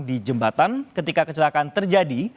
di jembatan ketika kecelakaan terjadi